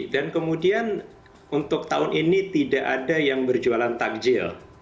dan kemudian untuk tahun ini tidak ada yang berjualan takjil